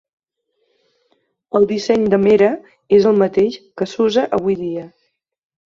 El disseny de Mera és el mateix que s'usa avui dia.